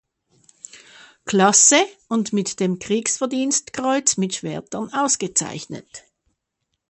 Klasse und mit dem Kriegsverdienstkreuz mit Schwertern ausgezeichnet.